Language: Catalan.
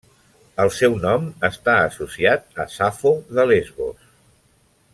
El seu nom està associat a Safo de Lesbos.